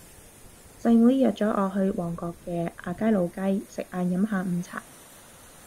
細妹約左我去旺角嘅亞皆老街食晏飲下午茶